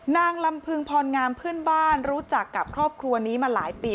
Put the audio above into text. นางลำพึงพรงามเพื่อนบ้านรู้จักกับครอบครัวนี้มาหลายปี